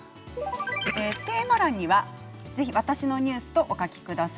テーマ欄には「わたしのニュース」とお書きください。